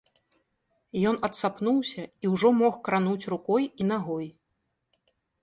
Ён адсапнуўся і ўжо мог крануць рукой і нагой.